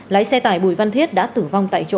lái xe tải bùi văn thiết đã tử vong tại chỗ